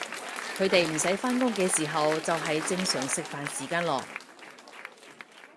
佢哋唔使返工嘅时候就係正常食飯時間囉